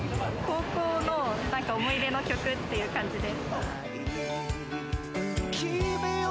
高校の思い出の曲っていう感じで。